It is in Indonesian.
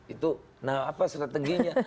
itu nah apa strateginya